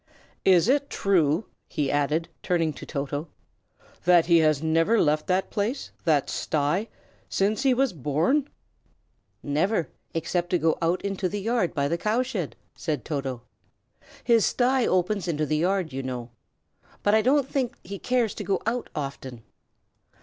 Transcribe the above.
Is it true," he added, turning to Toto, "that he has never left that place, that sty, since he was born?" "Never, except to go into the yard by the cow shed," said Toto. "His sty opens into the yard, you know. But I don't think he cares to go out often."